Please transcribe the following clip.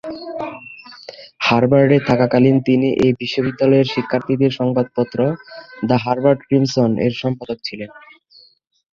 হার্ভার্ডে থাকাকালীন তিনি এই বিশ্ববিদ্যালয়ের শিক্ষার্থীদের সংবাদপত্র "দ্য হার্ভার্ড ক্রিমসন"-এর সম্পাদক ছিলেন।